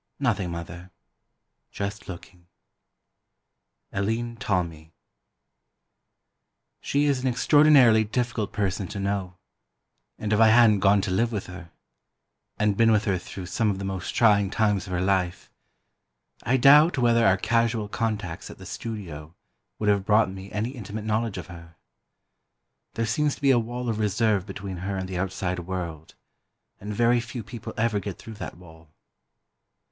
"'Nothing, Mother, just looking.'" ALLENE TALMEY. "She is an extraordinarily difficult person to know, and if I hadn't gone to live with her ... and been with her through some of the most trying times of her life, I doubt whether our casual contacts at the studio would have brought me any intimate knowledge of her. There seems to be a wall of reserve between her and the outside world, and very few people ever get through that wall.